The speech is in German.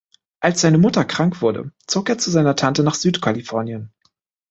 Als seine Mutter krank wurde, zog er zu einer Tante nach Süd-Kalifornien.